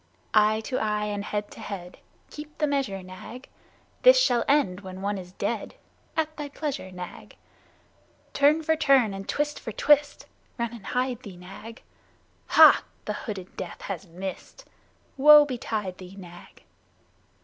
Eye to eye and head to head, (Keep the measure, Nag.) This shall end when one is dead; (At thy pleasure, Nag.) Turn for turn and twist for twist (Run and hide thee, Nag.) Hah! The hooded Death has missed! (Woe betide thee, Nag!)